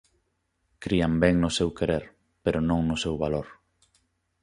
Crían ben no seu querer, pero non no seu valor.